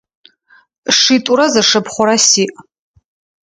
Шитӏурэ зы шыпхъурэ сиӏ.